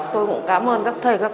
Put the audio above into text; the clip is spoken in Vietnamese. tôi cũng cảm ơn các thầy các cô